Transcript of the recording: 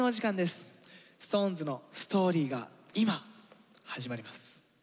ＳｉｘＴＯＮＥＳのストーリーが今始まります。